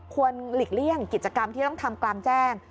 หลีกเลี่ยงกิจกรรมที่ต้องทำกลางแจ้ง